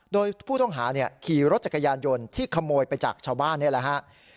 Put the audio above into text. โดยผู้ต้องหาขี่รถจักรยานยนต์ที่ขโมยไปจากชาวบ้านนี่แหละฮะ